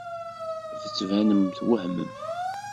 Tettbanem twehmem.